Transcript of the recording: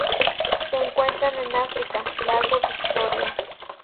Se encuentran en África: lago Victoria.